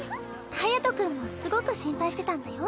隼君もすごく心配してたんだよ。